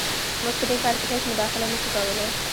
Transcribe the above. موږ په دې کار کې هېڅ مداخله نه شو کولی.